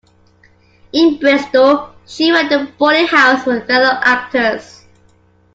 In Bristol she ran a boarding house for fellow actors.